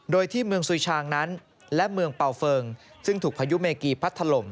โดยที่เมืองสุยชางนั้นและเมืองเป่าเฟิร์งซึ่งถูกพายุเมกีพัดถล่ม